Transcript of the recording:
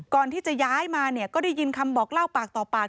ก่อนที่จะย้ายมาเนี่ยก็ได้ยินคำบอกเล่าปากต่อปาก